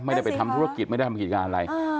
ไม่ได้ไปทำธุรกิจไม่ได้ทำกิจการอะไร